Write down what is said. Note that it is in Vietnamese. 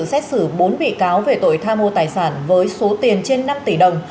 xét xử bốn bị cáo về tội tham mô tài sản với số tiền trên năm tỷ đồng